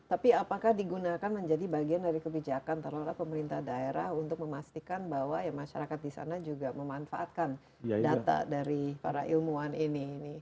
tapi apakah digunakan menjadi bagian dari kebijakan terlola pemerintah daerah untuk memastikan bahwa masyarakat di sana juga memanfaatkan data dari para ilmuwan ini